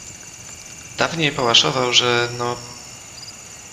Dawniej pałaszował, że no.